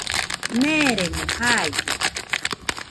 Neeremo jaide.